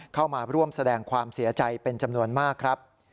เข้ามาร่วมแสดงความเสียใจเป็นจำนวนมากครับ